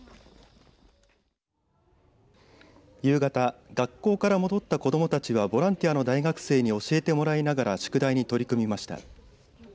夕方学校から戻った子どもたちはボランティアの大学生に教えてもらいながら宿題に取り組みました。